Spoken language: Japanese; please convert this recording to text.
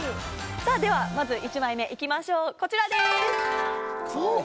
ではまず１枚目行きましょうこちらです。